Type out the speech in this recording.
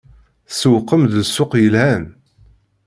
Tsewwqem-d ssuq yelhan.